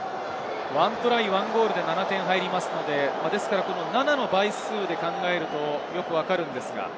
１トライ、１ゴールで７点入りますので、７の倍数で考えるとよく分かるんですが。